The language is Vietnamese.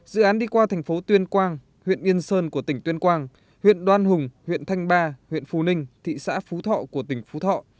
dự án đi qua thành phố tuyên quang huyện yên sơn của tỉnh tuyên quang huyện đoan hùng huyện thanh ba huyện phú ninh thị xã phú thọ của tỉnh phú thọ